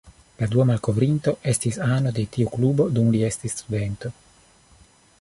La dua malkovrinto estis ano de tiu klubo dum li estis studento.